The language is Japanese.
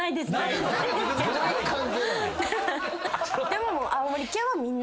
でも。